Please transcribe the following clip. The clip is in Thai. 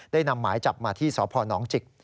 นำหมายจับมาที่สพนจิก